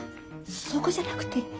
そこじゃなくて。